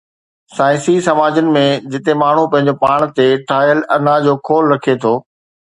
سائنسي سماجن ۾ جتي ماڻهو پنهنجو پاڻ تي ٺاهيل انا جو خول رکي ٿو